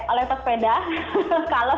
oleh pesepeda kalau